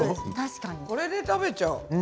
これで食べちゃう。